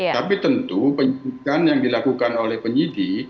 tapi tentu penyelidikan yang dilakukan oleh penyidik